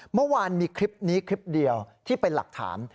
เมื่อวานมีคลิปนี้คลิปเดียวที่เป็นหลักฐาน